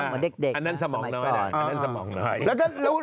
เหมือนเด็กอันนั้นสมองน้อยหน่อยอันนั้นสมองน้อย